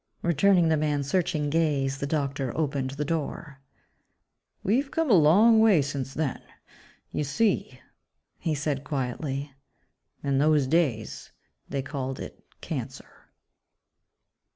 Returning the man's searching gaze, the doctor opened the door, "We've come a long way since then. You see," he said quietly, "in those days they called it 'cancer'."